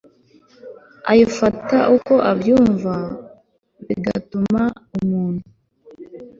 ayifata uko abyumva, bigatuma umuntu